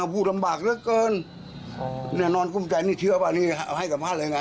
ผมเห็นแค่นี้เอง